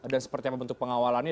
dan seperti apa bentuk pengawalannya